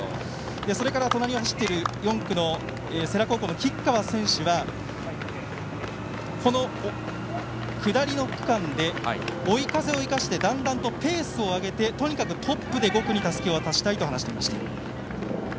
それから、隣を走っている世羅高校の吉川選手はこの下りの区間で追い風を生かしてだんだんとペースを上げてとにかくトップで５区にたすきを渡したいと話していました。